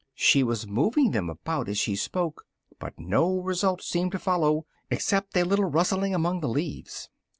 She was moving them about as she spoke, but no result seemed to follow, except a little rustling among the leaves.